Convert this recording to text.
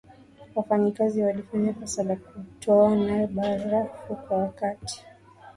wafanyikazi walifanya kosa la kutoona barafu kwa wakati